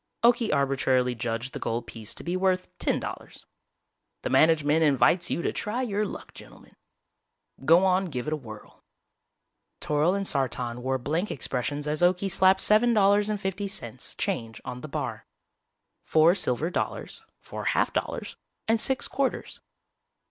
Okie arbitrarily judged the gold piece to be worth ten dollars. "The management invites you to try your luck, gentlemen. Go on give it a whirl." Toryl and Sartan wore blank expressions as Okie slapped seven dollars and fifty cents change on the bar four silver dollars, four half dollars and six quarters.